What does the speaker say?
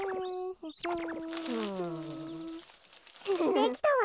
できたわ。